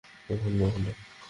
এখন না, এখন না।